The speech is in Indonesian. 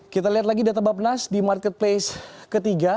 kita lihat lagi data bapak nas di marketplace ketiga